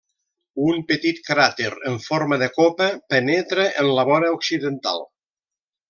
Un petit cràter en forma de copa penetra en la vora occidental.